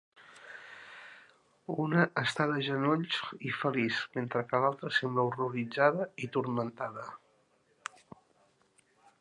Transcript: Una està de genolls i feliç, mentre que l'altra sembla horroritzada i turmentada.